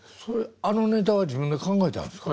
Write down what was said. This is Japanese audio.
あのネタは自分で考えたんですか？